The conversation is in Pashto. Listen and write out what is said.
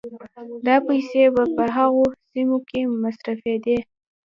دا پيسې به په هغو سيمو کې مصرفېدې